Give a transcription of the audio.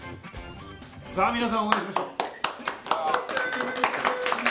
さぁ皆さん応援しましょう。